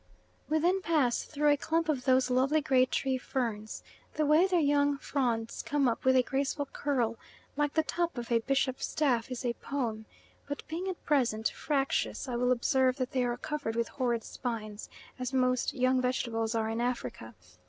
We then pass through a clump of those lovely great tree ferns. The way their young fronds come up with a graceful curl, like the top of a bishop's staff, is a poem; but being at present fractious, I will observe that they are covered with horrid spines, as most young vegetables are in Africa.